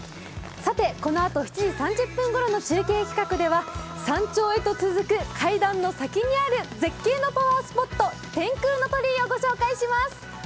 さて、このあと７時３０分ごろの中継では山頂へと続く階段の先にある絶景のパワースポット、天空の鳥居をご紹介します。